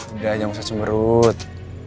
udah jangan cemberut